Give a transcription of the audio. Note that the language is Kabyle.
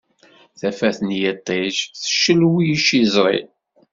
Tafat n yiṭij teccelwic iẓri.